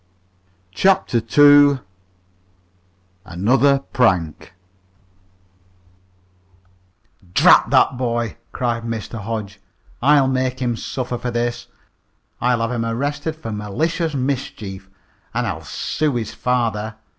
CHAPTER II ANOTHER PRANK "Drat that boy!" cried Mr. Hodge. "I'll make him suffer fer this. I'll have him arrested fer malicious mischief, an' I'll sue his father.